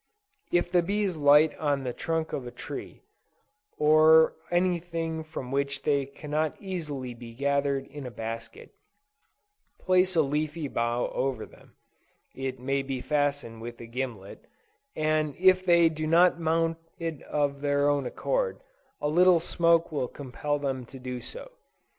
If the bees light on the trunk of a tree, or any thing from which they cannot easily be gathered in a basket, place a leafy bough over them, (it may be fastened with a gimlet,) and if they do not mount it of their own accord, a little smoke will compel them to do so.